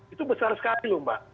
itu besar sekali loh mbak